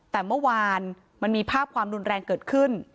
แต่เมื่อวานมันมีภาพความรุนแรงเกิดขึ้น